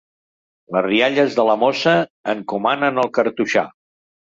Les rialles de la mossa encomanen el cartoixà.